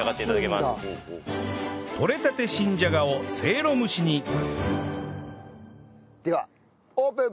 とれたて新じゃがをせいろ蒸しにではオープン！